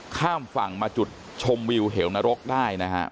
ข้ามฝั่งมาจุดชมวิวเหวนรกได้นะฮะ